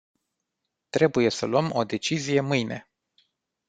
Trebuie să luăm o decizie mâine.